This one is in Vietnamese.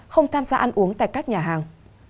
không tham gia ăn uống tại các nhà hàng